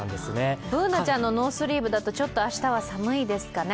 Ｂｏｏｎａちゃんのノースリーブだと明日は寒いですかね。